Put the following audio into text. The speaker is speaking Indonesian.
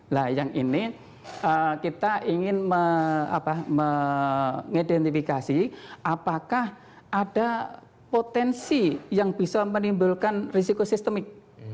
nah yang ini kita ingin mengidentifikasi apakah ada potensi yang bisa menimbulkan risiko sistemik